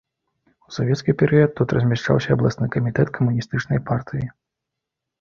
У савецкі перыяд тут размяшчаўся абласны камітэт камуністычнай партыі.